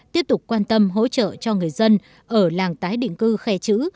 tiếp tục quan tâm hỗ trợ cho người dân ở làng tái định cư khe chữ